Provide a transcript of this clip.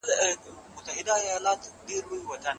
سوله ييزه سيالي د فکري ثبات په پايله کي راځي.